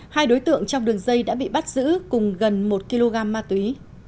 hai đối tượng trong đường dây đã bị bắt giữ cùng gần một kg ma túy